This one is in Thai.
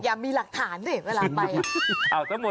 อย่ามีหลักฐานสิเวลาไป